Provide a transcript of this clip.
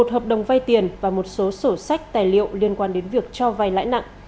một hợp đồng vay tiền và một số sổ sách tài liệu liên quan đến việc cho vay lãi nặng